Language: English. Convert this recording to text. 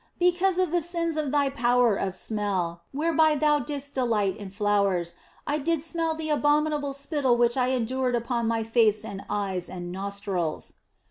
" Because of the sins of thy power of smell, whereby thou didst delight in flowers, I did smell the abominable spittle which I endured upon My face and eyes and nostrils.